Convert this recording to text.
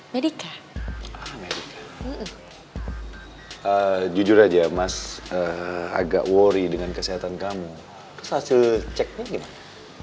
medica amerika jujur aja mas agak worry dengan kesehatan kamu terus hasil ceknya gimana